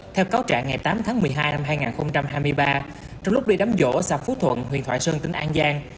theo cáo trạng ngày tám tháng một mươi hai năm hai nghìn hai mươi ba trong lúc đi đám vỗ xã phú thuận huyện thoại sơn tỉnh an giang